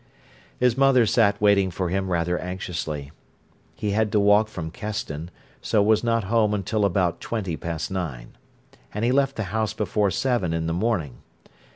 His mother sat waiting for him rather anxiously. He had to walk from Keston, so was not home until about twenty past nine. And he left the house before seven in the morning.